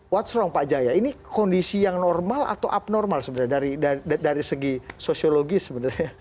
⁇ trong pak jaya ini kondisi yang normal atau abnormal sebenarnya dari segi sosiologis sebenarnya